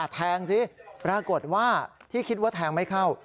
แทงซิปรากฏว่าที่คิดว่าแทงไม่เข้า